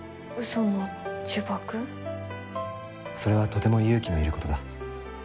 それはとても勇気のいる事だ。